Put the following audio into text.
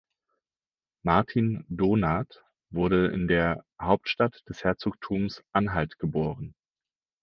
Martin Donath wurde in der Hauptstadt des Herzogtums Anhalt geboren.